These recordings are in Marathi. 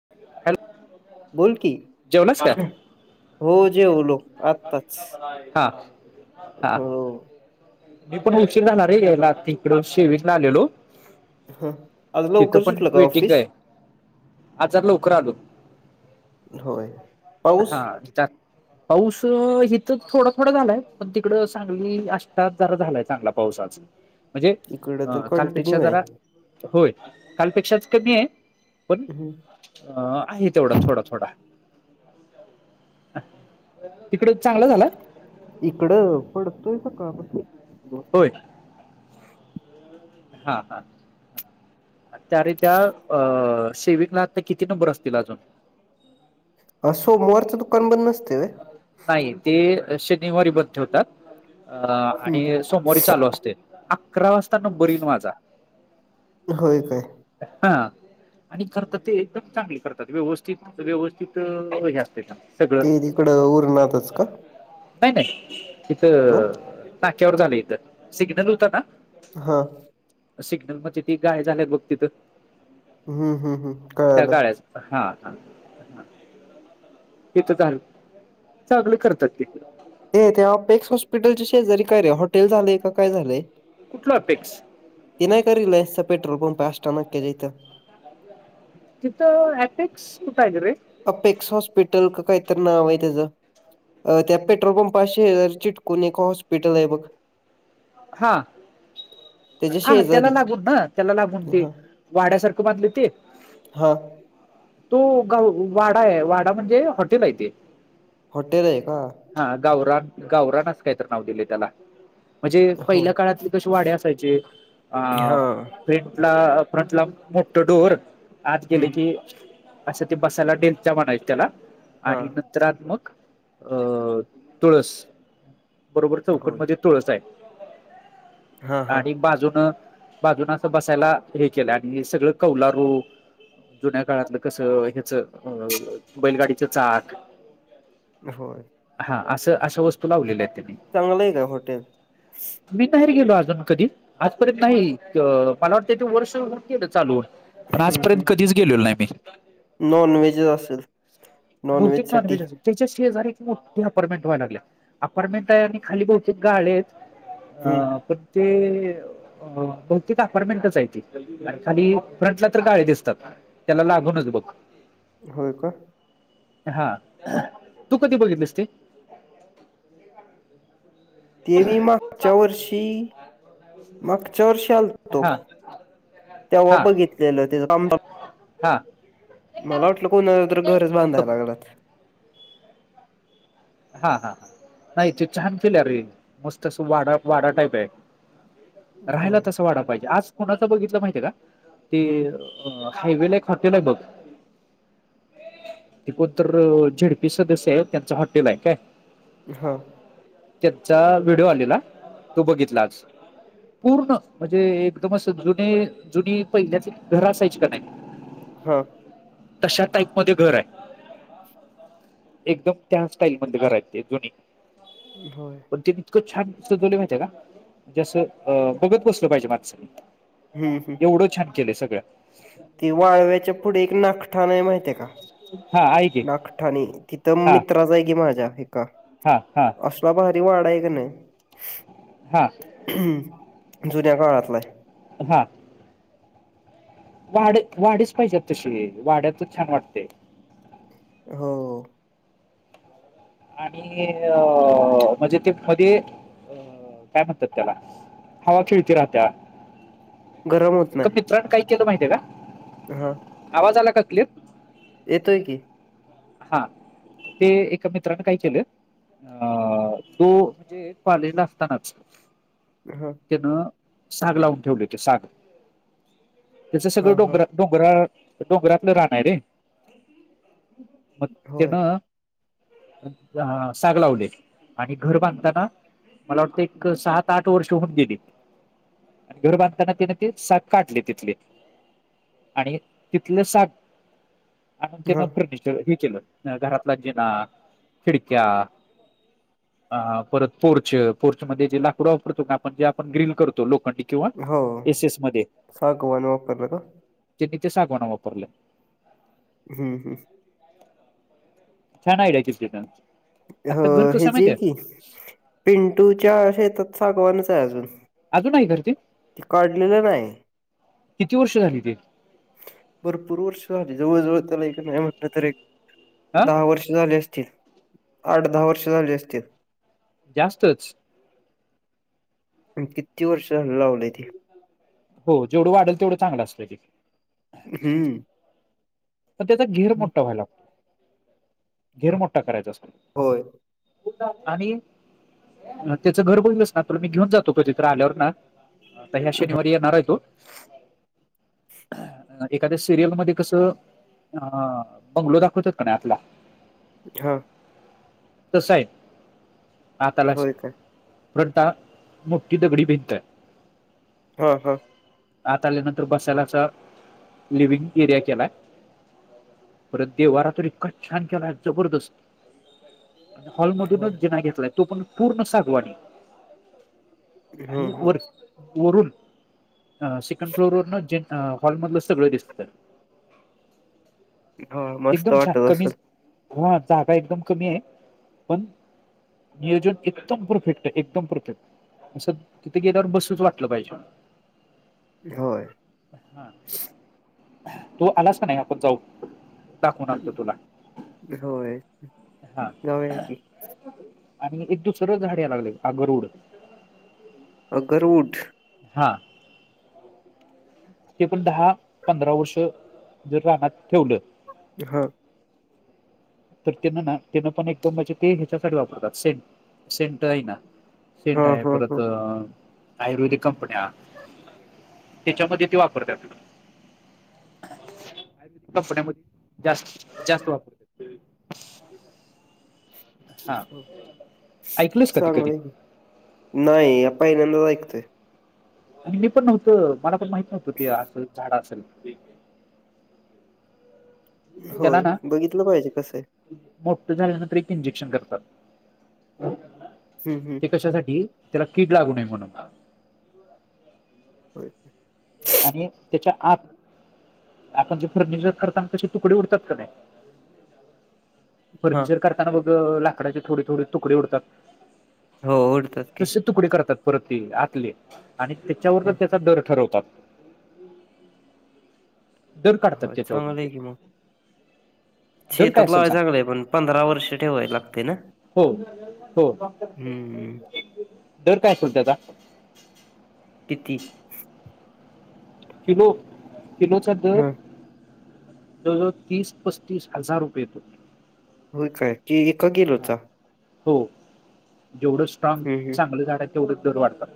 हॅलो बोल की जेवलास का हो जेवलो आत्ताच. हा हा हो मी पण उशीर घाला रे यायला तिकडं शेवीगंला आलेलो हं आज तिथं लवकर पण सुटलं का वेटिंग ऑफिस? आहे आज जरा लवकर आलो होय. पाऊस हा च पाऊस तर हिथ थोडं थोडं झालंय पण तिकडं सांगली आष्टात जरा झालाय चांगला पाऊस आज म्हणजे इकडं अ तर कालपेक्षा कंटिन्यू आहे. जरा होय कालपेक्षाच कमी आहे पण हम्म अ आहे तेवढा थोडा थोडा तिकड चांगला झाला इकड पडतोय सकाळ पासन हो हा हा त्या रे त्या अ सेविगण आता किती नंबर असतील अजून सोमोवारचं दुकान बंद नसतेय व्ह नाही ते शनिवारी बंद ठेवतात अ आणि हम्म सोमवारी चालू असते अकरा वाजता नंबर येईल माझा होय काय हा आणि खरंतर ते एकदम चांगले करतात व्यवस्थित व्यवस्थित हे असत सगळं तकड ऊर ना व्हतच का नाही नाही इथं मग? नाक्यावर झालं इथ सिग्नल होता ना हा सिग्नल म्हणजे ती गाय झाल्यात बघ तिथं हम्म हम्म हम् त्या कळालं गाळ्याच हा ह हेेत तर चांगलं करतात ते हे ते आपेक्स हॉस्पिटलच्या शेजारी काय रे हॉटेल झालेय काय झाले कुठला अपेक्स ते नाही का रे पेट्रोल पंप आष्टा नक जतं इथंअपेक्स कुठ आहे रे अपेक्स हॉस्पिटल का काही तर नाव आहे त्याचं अ त्या पेट्रोल पंपाशी चिटकून एक हॉस्पिटल आहे बघ हा त्याच्या हा त्याला शेजारी लागून ना त्याला लागून ती हा वाड्यासारखं बांधलय ते हा तो गा वाडा आहे वाडा म्हणजे हॉटेल आहे ते हॉटेल आहे का हा गावरान गावरानच काय तर नाव दिले त्याला म्हणजे होय पहिल्या काळातली कशी वाडे असायचे अ हा फ्रंट ला फ्रंट ला मोठ डोर आज गेले हम्म की असं ते बसायला डेलच्या म्हणायच त्याला हा आणि चित्रात्मक अ तुळस बरोबर चौकट होय मध्ये तुळस आहे हा हा आणि बाजून बाजून अस बसायला हे केलं आणि सगळं कौलारू जुन्या काळातलं कसं ह्याच अ बैलगाडीच चाक हो हा असं अशा वस्तू लावलेल्या आहेत त्यांनी चांगलं आहे का हॉटेल मी नाही गेलो अजून कधी आजपर्यंत नाही मला वाटतं ते वर्ष हून गेलं चालू पण हम्म आजपर्यंत हम्म कधीच गेलेलो नाही मी नॉन व्हेजच असेल नॉन बहुतेक व्हेज साठी नॉनव्हेज अस त्याच्या शेजारी एक मोठी अपार्टमेंट व्हाय लागले अपार्टमेंट आहे आणि खाली बहुतेक गाळे ह हम्म पण ते अ बहुतेक अपार्टमेंटच आहे त खाली फ्रंटला तर गाळे दिसतात त्याला लागूनच बघ होय का हा तू कधी बघितलीस ते ते मी मागच्या वर्षी मागच्या वर्षी आल हा तेव्हा बघितलेलं हां मला वाटलं कोणाला तर घरच नको बांधायला लागलंत हा हा नाही ते छान केल रे मस्त अस वाडा वाडा टाईप आहे राहायला होय तसं वाढा पाहिजे आज कोणाचं बघितलं माहिती का ते हम्म अ हायवेला एक हॉटेल आहे बघ ते कोणतर झेडपी सदस्य आहे त्यांचा हॉटेल आहे काय हा त्याचा व्हिडिओ आलेला तो बघितला आज पूर्ण म्हणजे एकदमच जुने जुनी पहिल्याची घर असायची का नाही हा तशा टाईप मध्ये घर आहे एकदम त्या स्टाईल म करायचे जुनी होय ण ते इतकं छान सजवले माहिे का जसं बघत बसल पाहिजे मानसान हम्म हम्म एवढं छान केलंय सगळं ती वाळव्याच्या पुढ एक नाखठान आहे माहितीये का हा आहे की नागठाणे तिथं हा मित्राच आहे कि माझ्या एका हा हा असला भारी वाडा आहे कनी हा ह् जुन्या काळातलाय हा वाड्यात वाडीच पाहिजेत तशी वाड्यातच छान वाटतय हो आणि अ म्हणजे ते मध्ये काय म्हणतात त्याला हवा खेळती राहत्या गरम होत एका नाही मित्रांन काय केलं माहितीये का? हा. आवाज आला का क्लियर? येतोय की हा. ते एका मित्राने काय केलं? आ तो काॅलेजला असतानाच ह. त्यान साग लावून ठेवलेते साग, त्याच हा सगळं हा डोंगरात डोंगराळ डोंगरातलं राण आहे रे. मग तेन होय साग लावले आणि घर बांधताना मला वाटतं एक सात आठ वर्ष होऊन गेली. आणि घर बांधताना तेन ते साग काढले तिथले. आणि तिथलं साग आणून, हा त्यान फर्निचर हे केलं घरातला जिणा, खिडक्या आ परत पोर्च पोर्च मध्ये जे लाकूड वापरतो, आपण जे आपण ग्रिल करतो लोखंडी किंवा अ हो, एस एस सागवान वापरलं ना. कितीचे सागवान वापरले? हुं हुं. काय झालं? छान आयडीया केलं ती न? अ हे जी हाय की, पिंटूच्या शेतात सागवानच हाय अजून अजून हाय काय ते? काढलेलं नाही. किती वर्ष झाली ते? भरपूर वर्ष झाली. जवळ जवळ त्याला एक नाही म्हणलं तर एक हा दहा वर्ष झाली असतील. आठ दहा वर्ष झाली असतील. जास्तच किती वर्ष झाल? लावलय ते. हो जेवढं वाढल, तेवढं चांगलं असतय ते. हम्म. तर त्याचा घेर मोठा व्हायला लागतो, घेर मोठा करायचा असतो. होय. आणि त्याचं घर बघितलस ना, तुला मी घेऊन जातो कधीतर आल्यावर ना आता ह्या हां, शनिवारी येणार हाय तो. एखाद्या सिरियलमध्ये कसं? हा. बंगलो दाखवतात का नाही आतला? हा. तस हाय. आतालाच होय का? फ्रंट ला मोठी दगडी भिंत हाय. हा हा. आत आल्यानंतर बसायला असा लिव्हींग एरिया केलाय. परत देव्हारा तर इतका छान केलाय, जबरदस्त. हां. हॉलमधूनच जीना घेतलाय तो पण पूर्ण सागवानी हं, आणि हं. वर वरून हा सेकंड फ्लोर वरन, जें हॉल मधलं सगळ दिसतय. हां, मस्त एकदम वाटत छान! असेल. कमीच हा जागा एकदम कमी हाय पण नियोजन एकदम परफेक्ट हाय, एकदम परफेक्ट. असं तिथ गेल्यावर बसूच वाटलं पाहिजे. होय. तू आलास काय नाही आपण जाऊ. दाखवून आणतो तुला, होय. हा जाऊया हा. की. आणि एक दुसरं झाड यायं लागलय आगरूड. अगरूड. हा. ते पण दहा, पंधरा वर्ष जर रानात ठेवलं हा. तर तेन ना तेन पण एकदम म्हणजे ते हेच्यासाठी वापरतात सेंट सेंट आहे ना. सेंट हां, आहे हां, परत हां. अअ आयुर्वेदिक कंपन्या तेच्यामध्ये ते वापरत्यात. तस नाय बघ जास्त जास्त वापर [inaudible] हा ऐकलंस का ते चांगलं कधी हाय की नाही पहिल्यांदाच ऐकतोय. आणि मी पण नव्हतं मला पण माहित नव्हतं ते आस झाड असेल ते. त्याला होय ना बघितलं पाहिजे कसंय. मोठं झाल्यानंतर ब्रीक इंजेक्शन करतात. हम् हम. ते कशासाठी? त्याला किड लागू नये म्हणून. [inaudible] आणि तेच्या आत आपण जे फर्निचर करताना कसे तुकडे उडतात का नाय हां. फर्निचर करताना बघ लाकडाचे थोडे- थोडे तुकडे उडतात हो उडतात की. तसे तुकडे करतात परत ते आतले आणि तेच्यावर हां. तेचा दर ठरवतात. दर काढतात हां, तेच्यावरुन चांगलं ते. आहे की मग. दर काय शेतात असेल लावाय सांग चांगलंय पण, पंधरा वर्ष ठेवायला लागते ना? हो. हो, हम्म. दर काय आसल त्याचा? किती? किलो किलोचा दर हं. जवळ जवळ तीस पस्तीस हजार रुपये येतो. हो काय की हा एककिलोचा. हो जेवढं स्ट्रॉंग हम्म हम्म चांगलं झाडाय तेवढ दर वाढतात.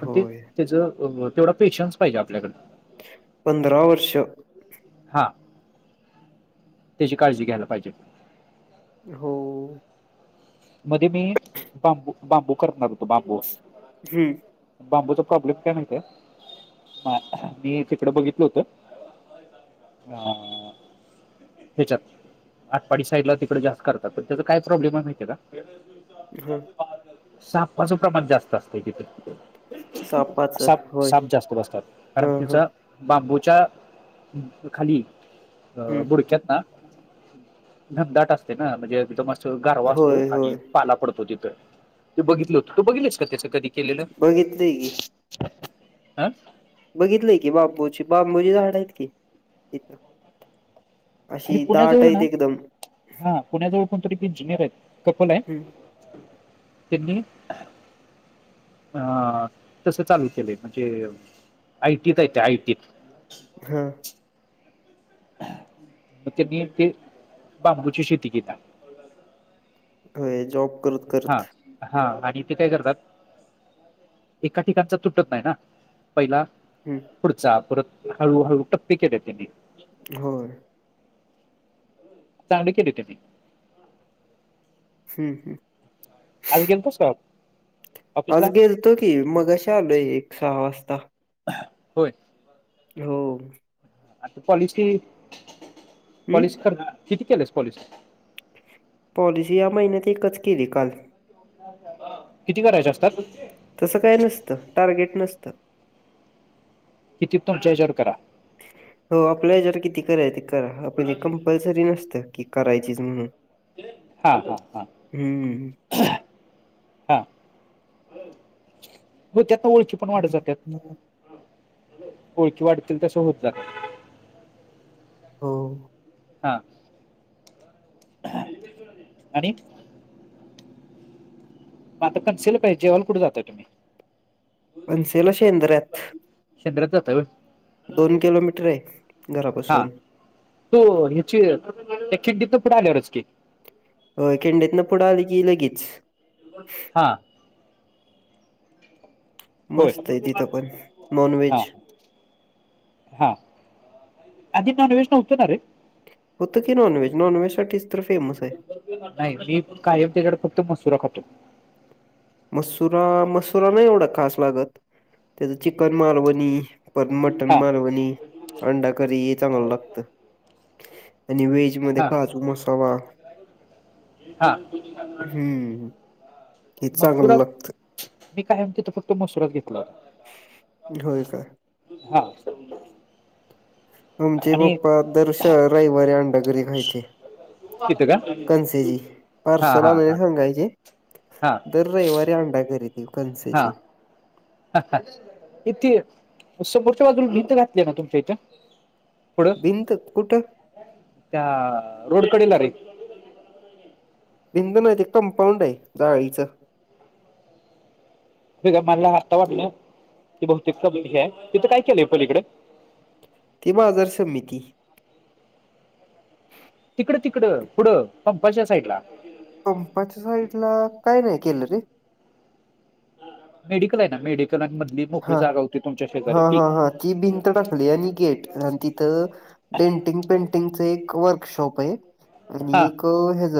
पण ते होय तेच तेवढ पेशन्स पाहिजे आपल्याकड. पंधरा वर्ष हां. त्याची काळजी घ्यायला पाहिजे. हो. मध्ये मी बांबू- बांबू करणार होतो बांबू. हम्म. बांबूचा प्रॉब्लेम काय माहतीय मी तिकडं बघितलं होत. [unintelligible] त्याच्यात आटपाडी साईडला तिकडे जास्त करतात तर त्याचा काय प्रॉब्लेमय माहिती ये का [inaudible] [unintelligible] सापाचं प्रमाण जास्त असतंय तिथं. सापाचं साप होय साप जास्त बसतात कारण हा हा तिचा. बांबूच्या खाली अं हम्म बुडक्यात ना घनदाट असतय ना म्हणजे तिथं मस्त गारवा असतो होय आणि. होय पाला पडतो तिथं ते बघितलं होत तू बघितलस का त्याच कधी केलेलं. बघितलंय की आं बघितलंय की बापुची -बांबूची झाडयत की तिथं. अरे पुण्याजवळ ना हा पुण्याजवळ कोणतरी इंजिनियर हायत कपलाय. हम्म [unintelligible] आं तस चालू केलंय म्हणजे आयटीतय ते आयटीत. हं मग तेनी इथे बांबुची शेती केता. व्हय जॉब करत करत हा- हा आणि तेे काय करतात. एका ठिकाणचा तुटत नाही ना पहिला हम्म पुढचा परत हळूहळू टप्पे केलेत त्यांनी. होय. चांगलं केलंय त्यांनी. हम्म- हम्म. आज गेलतास काय? आज गेलतो की मगाशी आलोय एक सहा वाजता. होय. हो. आता पॉलिशी- हम्म पॉलिशी कर किती केलेस पॉलिशी? पॉलिसी या महिन्यात एकच केली काल. किती करायचे असतात? तसं काय नसतं टार्गेट नसतं. किती तुमच्या हेच्यावर करा. हो आपल्या ह्याजावर किती कराय ते करा आपण कंपल्सरी नसतं की करायचीच म्हणून. हा- हा -हा. हं. हा म त्यातनं वळखी [inaudible] पण वाढत जात्यात ओळखी वाढतील तश्या होत जाता हो. हा [inaudible] आणि मग आता कन्सिल काय, जेवायला कुठ जाताय तुम्ही? पणसेला शेंद्र्यात केंद्रात जाताय होय? दोन किलोमीटराय हा घरापासून. तो हेची -ह्याची [unintelligible] आल्यावरच की. होय खिंडीतनं पुढं आलं की लगीच. हा. होय मस्तय तिथं पण हा नॉनव्हेज. हा आधी नाॅॅनव्हेेज न्हवतणारे? हुतं की नॉनव्हेज, नॉनव्हेजसाठीच तर फेमस हाय. नाय मी कायम तिकडं फक्त मसुरा खातो. मसुरा- मसुरा नाही एवढा खास लागत, त्याचं चिकन मालवणी. परत मटण हा मालवणी आणि अंडाकरी हे चांगलं लागत आणि व्हेज मध्ये हा काजू मसाला हा हम्म -हम्म. मसुरा मी कायम तिथ फक्त मसुरा घेतला. होय काय? हा. आमचे आणि पप्पा दर श- रविवारी अंडाकरी खायचे. तिथं का कनसेजी हा पार्सल हा हा आणायला सांगायचे, हा दर रयवारी अंडा करी त कनसेची. हा -हा -हा ये ती समोरच्या बाजूूला भिंत घातलीये ना तुमच्या इथं? पुढं भिंत कुठ? त्या रोड कडेला रे भिंत नाही ते कंपाऊंड आहे जाळीचं मला आता वाटलं की बहुतेक पब्लिक हाय तिथं काय केलंय पलीकडं ती बाजार समिती तिकडं तिकड पुढं पंपाच्या साईडला पंपाच्या साईड ला काय नाही केलं रे मेडिकल हाय ना मेडिकल मधली मोकळी हा जागा होती तुमच्या शेजारी हा ती हा हा ती भिंत टाकली आणि गेट आणि तिथं डेंटिंग पेंटिंगच एक वर्कशॉप आहे हा आणि एक ह्याज